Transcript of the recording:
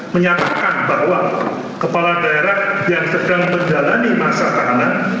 menyatakan bahwa kepala daerah yang sedang menjalani masa tahanan